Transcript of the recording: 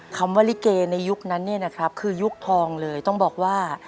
คำว่าลิเกในยุคนั้นเนี่ยนะครับคือยุคทองเลยต้องบอกว่า